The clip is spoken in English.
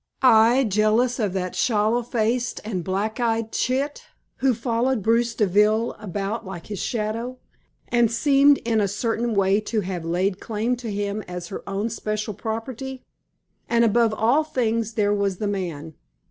I jealous of that sallow faced and black eyed chit, who followed Bruce Deville about like his shadow, and seemed in a certain way to have laid claim to him as her own especial property. And above all things there was the man.